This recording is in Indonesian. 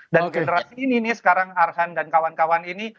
dan generasi ini nih sekarang arhan dan kawan kawan ini